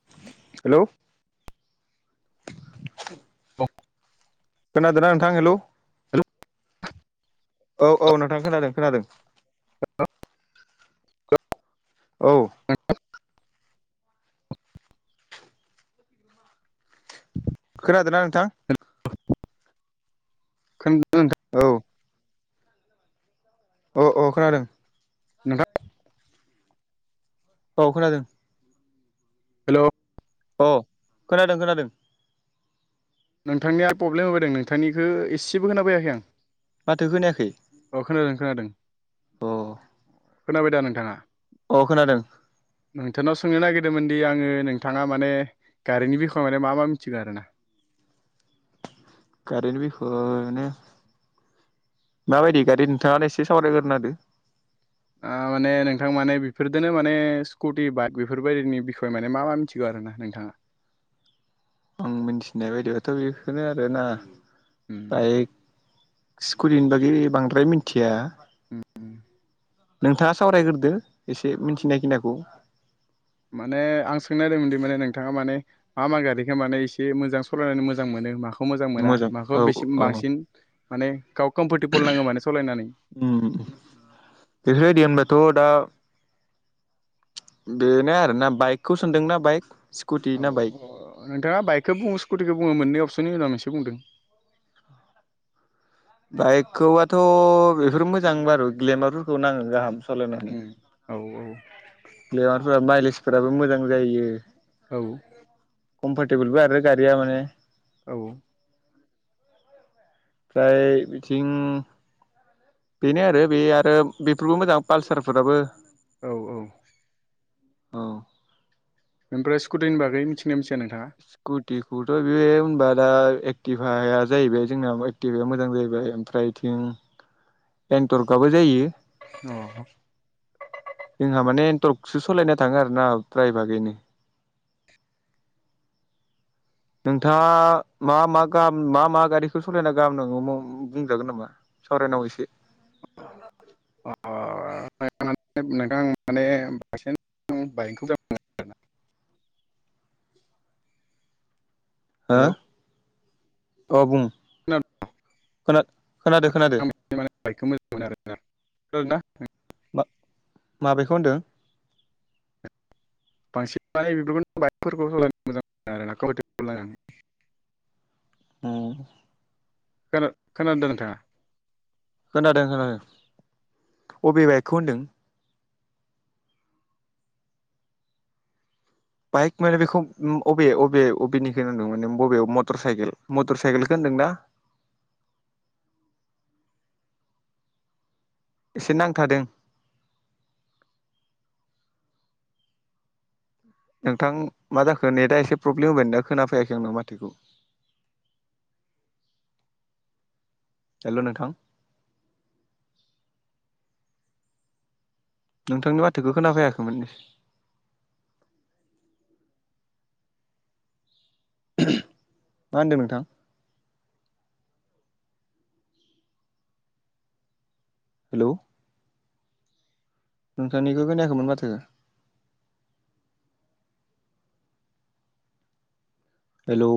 [inaudible] हेल' औ खोनादों ना नोंथां हेलौ हेल' औ औ नोंथां खोनादों खोनादों। [inaudible] औ। [inaudible] खोनादोंना नोंथां? [unintelligible] औ। अ अ खोनादों। नोंथा औ खोनादों। हेल' अ खोनादों खोनादों। नोंथांनिया प्रब्लेम होबायदों नोंथांनिखौ एसेबो खोना बायाखै आं। माथो खोनायाखै। अ खोनादों खोनादों। अ। खोनाबाय दा नोंथाङा? अ खोनादों। नोंथांनाव सोंनो नागिरदोंमोनदि आङो नोंथाङा माने गारनि बिख' माने मा मा मिथिगौ आरोना। गारिनि बिखयाने माबायदि गारि नोंथाङा एसे सावरायग्रोना होदो। माने नोंथां माने बेफोरदोननो माने स्कुटि बाइक बेफोरबायदिनि बिखय माने मा मोन थिग' आर ना नोंथाङा। आ मिथिनाय बायदिबथ' बेखौनो आरोना उम बाइक स्कुिनि बागै बांद्राय मिथिया। उम नोंथाङा सावरायग्रोदो एसे मिन्थिनाय खिनाखौ। माने आं सोंनायिरदोंमोनदि माने नोंथाङा माने मा मा गारिखो माने एसे मोजां सालायनानै मोजां मोनो माखौ खौ मोजां मोना औ माखौ बेसे औ बांसिन माने गाव कमफरटेबोल नाङो माने सालायनानै। उम बेफोरबायदि होनब्लाथ' दा बेनो आरोना बाइकखौ सानदोंना बाइक स्कुटि ना बाइक औ नोंथाङा बाइकखौ बुङो स्कुटिखौ बुङो मोननै अपसननि उनाव मोनसे बुंदो। बाइकखौबथ' बेफोर मोजां बारु ग्लेमारफोरखौ नाङो गाहाम सालायनानै। उम औ औ। ग्लेमारफोरा माइलेजफोराबो मोजां जायो। औ। कमफरटेबोलबो आरो गारिया माने औ। फ्राय बिथिं बेनो आरो बे आरो बेफोरबो मोजां पालसारफोराबो औ औ। औ। ओमफ्राय स्कुटिनि बागै मिथिगना मिथिया नोंथाङा? कुटिखौथ' बे होनबा दा एक्टिभाया जाहैबाय जोंना एक्टिभाया मोजां जाहैबाय ओमफ्राय थिं एन्टरकआबो जायो। अ। जोंहा माने एन्टरकसो सालायना थाङो आरोना द्रायभागैनो। नोंथाङा मा मा गाहम मा मा गारिखौ सालायना गाहाम ननो बुंजागोन नामा। सावरायनाव एसे। अ नोंथां माने [unintelligible] बाइकखौ मोनो आरोना। हो हेलौ अ बुं खोनादों खोना खोनादो। खोनादो [unintelligible] मा माबेखौ होनदों। नाय बेफोरखौनो बाइकफोरखौ सलायनो मोजां [unintelligible] ओं खोन खोनादों नोंथाङा खोनादों खोनादों अबे बाइकखौ होनदों। बाइक माने बेखौ अबे अबे अबेनिखौ होनदों माने बबेयाव मटर साइकेल मटर साइकेलखौ होनदों ना एसे नांथादों। नोंथां मा जाखो नेटआ एसे प्रब्लेम होबाय दां खोनाफैायाखै आंनाव माथोखौ। हेल' नोंथां। नोंथांनि माथोखौ खोनाफैयाखैमोन। मा होनदों नोंथां। हेलौ। नोंथांनिखौ खोनायाखैमोन माथो हेलौ।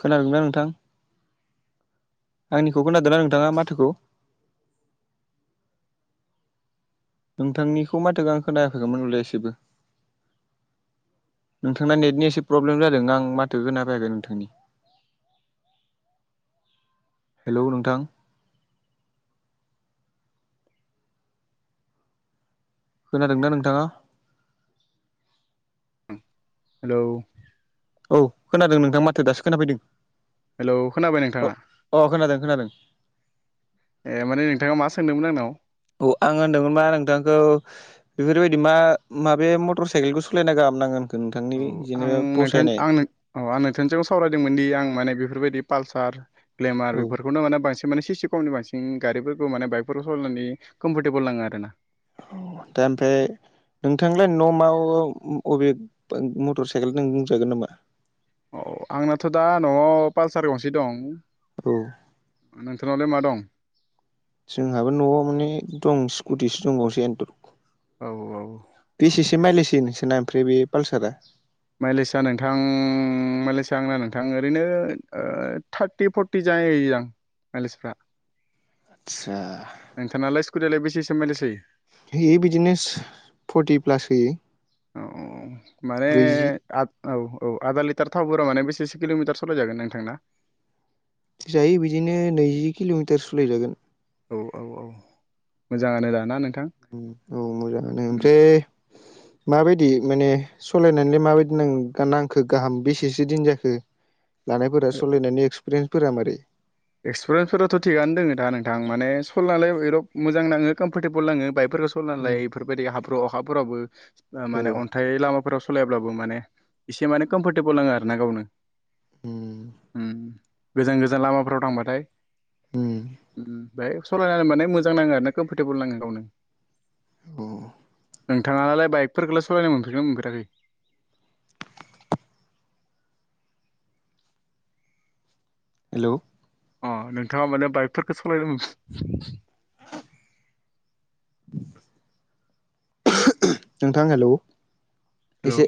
खोनादों ना नोंथां। आंनिखौ खोनादोंना नोंथाङा माथोखौ। नोंथांनिखौ माथोखौ आं खोनायाखैमोन हले एसेबो नोंथांना नेटनि एसे प्रब्लेम जादों दां माथो खोना फैयाखै नोंथांनि हेलौ नोंथां। खोनादों ना नोंथाङा। हेलौ। औ खोनादों नोंथां माथो दासो खोनाफैदों। हेल' खोनाबाय नोंथाङा। अह खोनादों खोनादों। ए माने नोंथाङा मा सोंदोंमोन आंनाव। औ आं होनदोंमोन मा नोंथांखौ बेफोरबायदि मा माबे मटर साइकेलखौ सोलायना गाहाम नाङो औ आं नोंथां आं औ आं नोंथां जों सावरायदोंमोन दि आं माने बेफोरबायदि पालसार ग्लेमार औ बेफोर बेखौनो माने बांसिन माने सि सि खमनि बांसिन गारिफोरखौ माने बाइकफोरखौ सालायनानै कम्फरटेबोल नाङो आरो ना। [unintelligible] नोंथांलाय न'मा अबे मटर साइकेल नों बुंजागोन नामा। औ आंनाथ' दा न'आव पालसार गंसे दं। औ। नोंथांनावलाय मा दं। जोंहाबो न'आव माने दं स्कुटिसो दंबावसै एन्थर। औ औ। बेसेसो मायलेज नोंसोरना ओमफ्राय बे पालसारा माइलेस आ नोंथां माइलेस आ आंना नोंथां ओरैनो ओ थार्टि फरति थि जायो दां मायलेसफ्रा आतसा। नोंथां नालाय स्कुटियालाय बेसेसो माइलेस होयो? होयो बिदिनोस फर्टि प्लास होयो। औ माने ब्रैजि आ औ औ आधा लिटार थावफोरा माने बेसेसे किल'मिटार सालायजागोन नोंथांना। जायो बिदिनो नैजि किल'मिटारसो सलाय जागोन। औ औ औ मोजाङानो दाना नोंथां। औ मोजाङानो ओमफ्राय माबायदि माने सालायनानैल माबायदि न नांखो गाहाम बेसेसो दिन जाखो? लानायफोरा सालायनायनि एक्सपिरियेन्सफोरा मारै एक्सपिरियेन्सफोराथ' थिगआनो दङो दा नोंथां माने सल'लायरब मोजां नाङो कम्परटेबोल नाङो बाइकफोरखौ लायो बेफोरबायदि हाब्रु अखाफोरावबो माने अन नाथाय लामाफोराव सलायाब्लाबो माने एसे माने कम्फरटेबोल नाङो आरो ना गावनो। उ गोजान गोजान लामाफोराव थांबाथाय। उ बेहाय सालायनानै माने मोजां नाङो आरो ना कम्फरटेबोल नाङो गावनो। औ। नोंथाङालाय बाइकफोरखौलाय सालायनो मोनफैरबायना मोनफेराखै? हेल' अ नोंथाङा माने बाइकफोरखौ सालायनो नोंथां हेल' एसे हेल'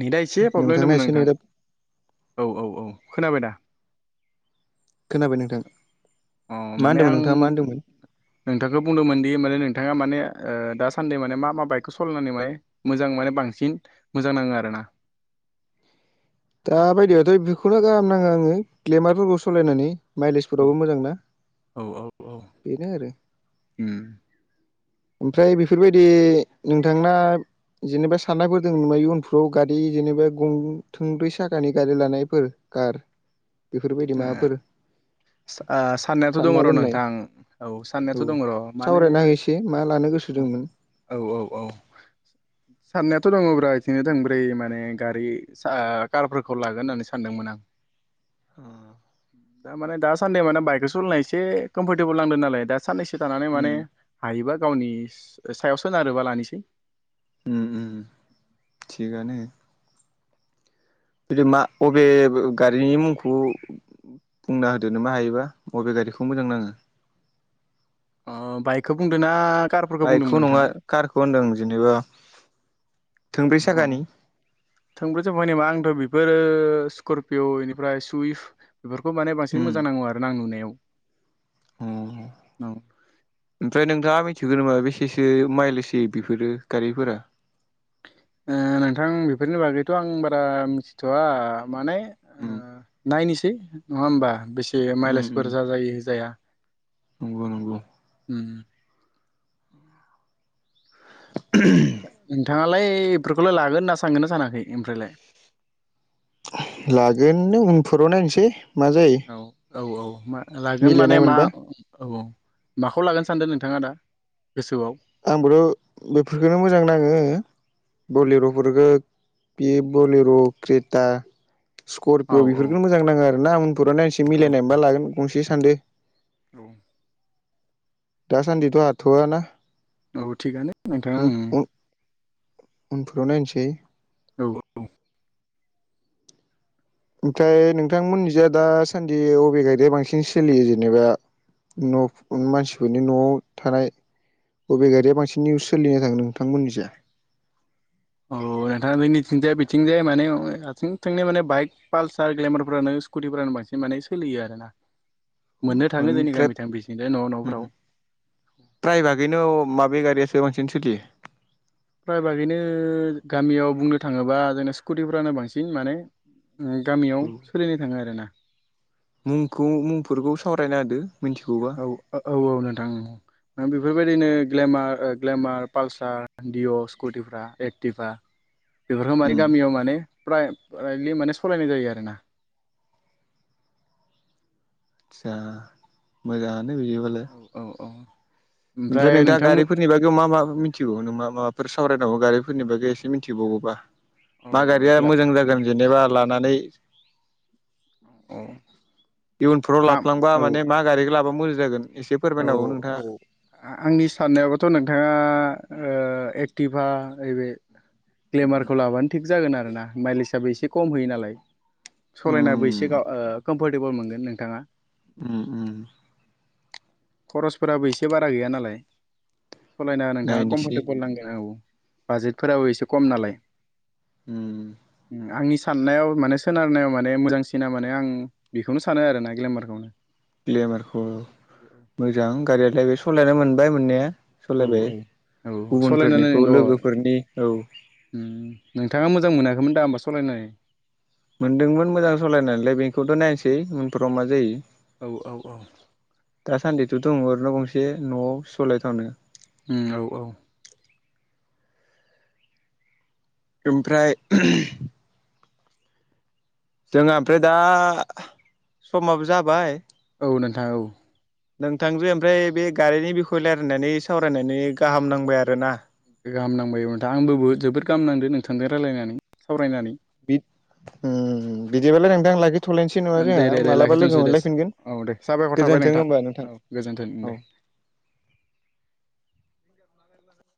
नेदा एसे प्रब्लेम नोंथांना दंमोन एसे नोंथां नेदा औ औ औ खोनाबाय दा खोनाबाय नोंथां अ मा माने होनदोंमोन आं नोंथाङा मा होनदोंमोन नोंथांखौ बुंदोंमोन दि माने नोंथाङा माने दा सान्दै माने मा मा बाइकखौ सलायनानै माने मोजां माने बांसिन मोजां नाङो आरोना। दा बायदियाथ' बेखौनो गाहाम नाङो आङो ग्लेमारफोरखौ सालायनानै। औ माइलेजफोरावबो मोजां ना औ औ औ बेनो आरो। उम ओमफ्राय बेफोरबायदि नोंथां ना जेनेबा साननायफोर दङ नाय उनफ्राव गारि जेनेबा गं थुंद्रै साखानि गारि लानायफोर कार बेफोरबायदि ओ माबाफोर ओ साननायाथ' दङ सानना र' दोननाय नोंथां औ औ साननायाथ' दङ र' माने सावरायना होसे मा लानो गोसो औ सुदोंमोन। औ औ औ साननायाथ' दङब्रा इदिनो थंब्रै माने गारि कारफोरखौ लागोन होननानै सानदोंमोन आं अ दा माने दासान्दि माने बाइकखौ सलिायनाय एसे कमफरटेबोल नांदों नालाय दा साननैसो थानानै उम माने हायोबा गावनि सायाव सोनारोबा लानोसै उम उम उम थिगानो। जुदि मा अबे गारिनि मुंखौ बुंना होदोनो मा हायोबा बबे गारिखौ मोजां नाङो अ बाइकखौ बुंदों ना कार बाइकखौ नङा कारखौ होनदों जेनेबा थोंब्रै साखानि थोंब्रो जोबबाय नामा आंथ' बेफोरो स्करपिय' बेनिफ्राय सुइफ्ट बेफोरखौ माने बांसिन उम मोजां नाङो आरो ना आं नुनायाव अ औ। ओमफ्राय नोंथाङा मिथिगौ नामा बेसेसो माइलेज होयो बिफोरो गारिफोरा ओ नोंथां बेफोरनि बागैथ' आं बारा मिथिथ'वा माने ओ उम नायनोसै नङा होमबा बेसे उम माइलेजफोर उम जाजायो जाया नंगौ नंगौ। उम [unintelligible] नोंथाङालाय बेफोरखौलाय लागोन होनना सांगोना सानाखै ओमफ्रायलाय लागोन नों उनफोराव नायनोसै मा जायो। औ औ औ मा लागोन माने मिलायनाय मा मोनबा औ औ। माखौ लागोनो सानदों नोंथाङा दा गोसोआव। आंबोथ' बेफोरखोनो मोजां नाङो। बलिर'फोरखौ बेयो बलिर' क्रियेटा औ स्करपिय औ बेफोरखौनो मोजां नाङो आरो ना उनफोराव नायनोसै औ मिलायनाय मोनबा लागोन गंसे सानदो। औ दाासान्दिथ' हाथोवाना। औ थिगआानो नोंथाङा ओं। उनफोराव नायनोसै। औ औ। ओमफ्राय नोंथांमोननिजा दासान्दि अबे गारिया बांसिन सोलियो जेनेबा न' मानसिफोरनि न'आव थानाय बबे गारिया बांसिन निउस सोलिना थाङो नोंथांमोननि जाय। औ नोंथाङा नैथिंजाय बिथिंजाय माने आथिं थोंनै माने बाइक पालसार ग्लेमारफ्रानो स्कुटिफोरानो बांसिनाने सोलियो आरोना। मोननो थाङो जोंनि ओमफ्राय गामिथिं बिथिंजाय न' न'फोराव। प्राय भागैनो माबे गारियासो बांसिन सोलियो? फ्र बागैनो गामियाव बुंनो थाङोबा जोंना स्कुटिफ्रानो बांसिन माने गामियाव औ सोलिनो थाङो आरोना। मुंखौ मुंफोरखौ सावरायना होदो मिथिगौबा। औ औ औ नोंथां ओं। नों बेफोरबायदिनो ग्लेमार ग्लेमार पालसार दिडिअ स्कुटिफ्रा एक्टिभा। बेफोरखौ माने उम गामियाव माने प्राइलि माने सालायनाय जायो आरोना। आस्सा मोजाङानो बिदिबालाय। औ औ। ओमफ्राय नोंथाङा गारिफोर नि बागै मा मा मिथिगौ नों मा माबाफोर सावरायनांगौ गारिफोरनि बागै एसे मिनथिबागौबा। मा औ गारिया ग्ला मोजां जागोन जेनेबा लानानै औ इयुनफ्राव दा लाफ्लांबा औ माने मा गारिखौ लाबा मोजां जागोन एसे औ फोरमायनो हागौ नोंथाङा। औ आंनि साननायावबाथ' नोंथाङा एक्टिभा, ऐबे ग्लेमारखौ लाबानो थिग जागोन आरो ना माइलेजआबो एसे खम होयो नालाय। सालायनाबो एसे उम गाव कम्फरटेबोल मोनगोन नोंथाङा। उम उम। खरसफोराबो एसे बारा गैया नालाय। सलायना नोंथाङा नायनोसै कम्फरटेबोल नांगोन औ। बाजेटफोराबो एसे खम नालाय। उम उम आंनि साननायाव माने सोनारनायाव माने मोजांसिना माने आं बेखौनो सानो आरोोना ग्लेमारखौनो। ग्लेमारखौ मोजां। गारियालाय बे सालायनो मोनबाय मोननाया। औ सलायबाय औ सालायनानै गुबुनफोरनिखौ अ लोगोफोरनि औ। नोंथाङा मोजां मोनाखैमोन दा होमबा सलायनानै? मोनदोंमोन मोजां सालायनायलाय बेखौथ' नायसै उफ्राव मा जायो। औ औ औ। दासान्दिथ' दङ रोना गंसे न'आव सलाय थनो। उम औ औ। ओमफ्राय जोंहा ओमफ्राय दा समाबो जाबाय। औ नोंथा औ। नोंथांजो ओमफ्राय बे गारिनि बिखय रायलायनानै सावरायनानै गाहाम नांबाय आरोना। गाहाम नांबाय औ नोंथां। आंबो जोबोद गाहामनांदों नोंथांजों रायलायनानै सावरायनानै। बि उम। बिदिबालाय नोंथांं लागिथ'लायनोसै नङारे। दे दे दे मालाबा लाखिथ'नोसै लोगो दे मोनलायफिनगोन औ दे साबायखर थाबाय गोजोन्थों होमबा नोंथां। औ गोजोन्थों दे। औ